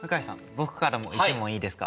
僕からも一問いいですか？